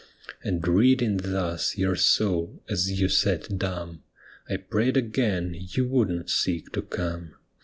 And reading thus your soul as you sat dumb, I prayed again you would not seek to come.